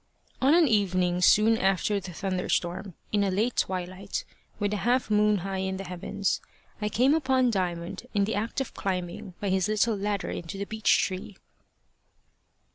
On an evening soon after the thunderstorm, in a late twilight, with a half moon high in the heavens, I came upon Diamond in the act of climbing by his little ladder into the beech tree.